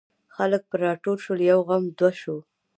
خلک پر راټول شول یو غم دوه شو.